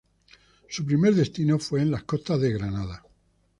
Su primer destino fue en las costas de Granada.